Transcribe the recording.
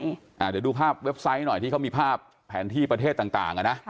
เดี๋ยวดูภาพเว็บไซต์หน่อยที่เขามีภาพแผนที่ประเทศต่างต่างอ่ะนะ